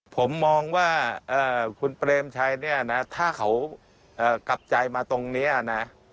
ผมมองว่าคุณเปรมชัยเนี่ยนะถ้าเขากลับใจมาตรงนี้นะ